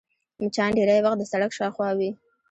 مچان ډېری وخت د سړک شاوخوا وي